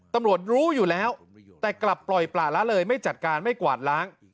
รู้อยู่แล้วแต่กลับปล่อยป่าละเลยไม่จัดการไม่กวาดล้าง